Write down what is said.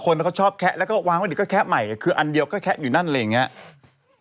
เขาชอบแคะแล้วก็วางไว้เดี๋ยวก็แคะใหม่คืออันเดียวก็แคะอยู่นั่นอะไรอย่างนี้